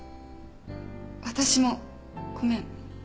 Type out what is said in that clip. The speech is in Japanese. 私もごめん。